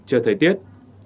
chờ thời tiết